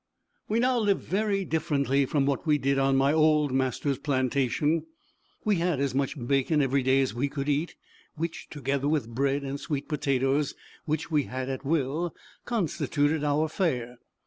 We now lived very differently from what we did on my old master's plantation. We had as much bacon every day as we could eat, which, together with bread and sweet potatoes, which we had at will, constituted our fare.